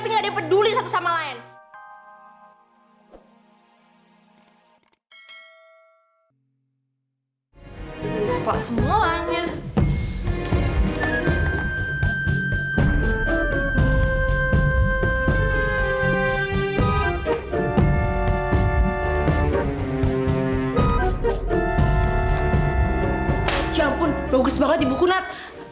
ya ampun bagus banget di buku nat